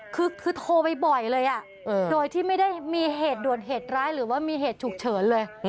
คือโทรไปบ่อยเลยโดยที่ไม่ได้มีเหตุด่วนเหตุร้ายหรือว่ามีเหตุฉุกเฉินเลย